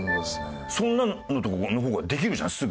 そんなのとかができるじゃない？